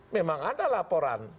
memang ada laporan